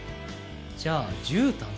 じゃあじゅうたん